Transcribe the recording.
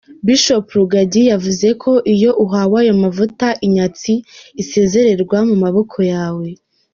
Bishop Rugagi yavuze ko “Iyo uhawe ayo mavuta inyatsi isezererwa mu maboko yawe.